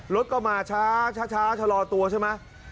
รถก็มาช้าชะลอตัวใช่ไหม